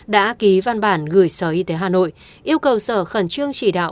đã ký văn bản gửi sở y tế hà nội yêu cầu sở khẩn trương chỉ đạo